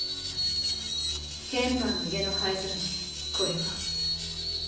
ケンパーの家の灰皿にこれが。！